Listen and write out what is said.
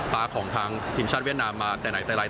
ของทางทีมชาติเวียดนามมาแต่ไหนแต่ไร